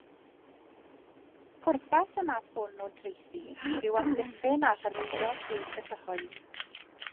Pwrpas y math hwn o draethu yw amddiffyn a hyrwyddo lles y cyhoedd.